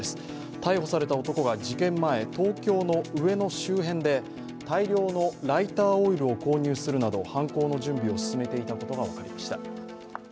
逮捕された男が事件前東京の上野周辺で大量のライターオイルを購入するなど犯行の準備を進めていたことが分かりました。